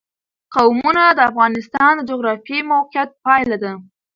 قومونه د افغانستان د جغرافیایي موقیعت پایله ده.